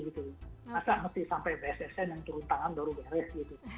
masa masih sampai bssn yang turun tangan baru beres